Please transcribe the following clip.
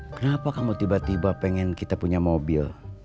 kenapa kamu tiba tiba pengen kita punya mobil